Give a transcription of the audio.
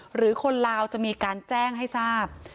หรือคนลาวจะมีการแจ้งให้ทราบ